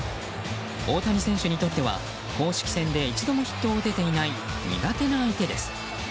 大谷選手にとっては公式戦で一度もヒットを打てていない苦手な相手です。